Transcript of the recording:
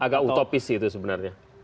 agak utopis itu sebenarnya